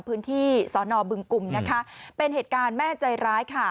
พื้นที่สอนอบึงกุมเป็นเหตุการณ์แม่ใจร้าย